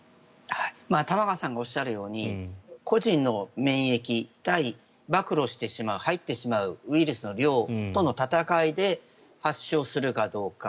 玉川さんがおっしゃるように個人の免疫対暴露してしまう、入ってしまうウイルスの量との闘いで発症するかどうか。